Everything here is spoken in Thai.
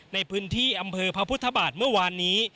ในพื้นที่อำเภอพระพุทธบาทเมื่อวานนี้